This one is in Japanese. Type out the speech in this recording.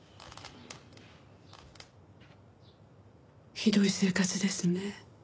ひどい生活ですね。